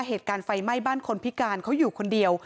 เหตุการณ์ไฟไหม้บ้านคนพิการเขาอยู่คนเดียว